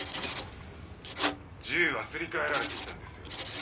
銃はすり替えられていたんですよ。